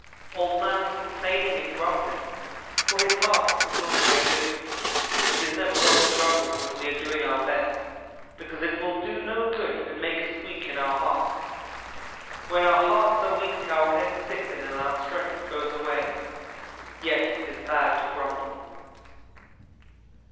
Old man was complaining and grumbling, for his heart is not very good. It is never well to grumble when we are doing our best, because it will do no good and makes us weak in our hearts. When our hearts are weak our heads sicken and our strength goes away. Yes, it is bad to grumble.